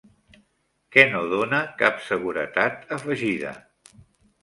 Què no dóna cap seguretat afegida?